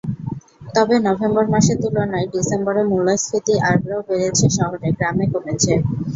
তবে নভেম্বর মাসের তুলনায় ডিসেম্বরে মূল্যস্ফীতি আরও বেড়েছে শহরে, গ্রামে কমেছে।